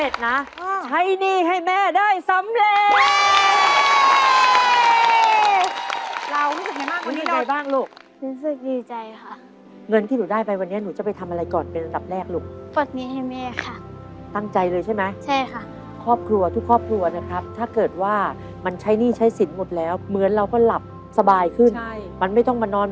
จาก๑๕๐๐๐บาทเป็น๓๐๐๐๐บาทรวมกับเงินจำนำอีก๔๓๐๐บาทเป็น